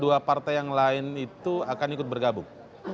dua partai yang lain itu akan ikut bergabung